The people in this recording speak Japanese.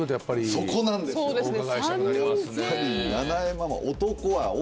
そうなんですね。